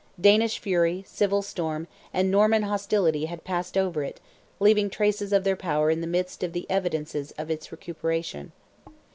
Danish fury, civil storm, and Norman hostility had passed over it, leaving traces of their power in the midst of the evidences of its recuperation.